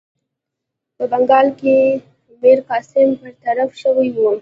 په بنګال کې میرقاسم برطرف شوی وو.